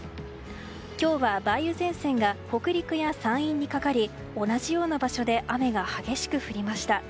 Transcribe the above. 今日は梅雨前線が北陸や山陰にかかり同じような場所で雨が激しく降りました。